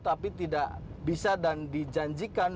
tapi tidak bisa dan dijanjikan